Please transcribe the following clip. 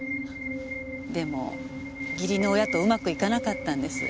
でも義理の親とうまくいかなかったんです。